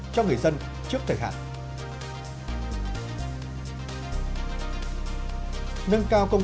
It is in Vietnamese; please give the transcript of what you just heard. cho người dân trước thời hạn